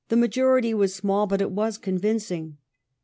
majority was small, but it was convincing.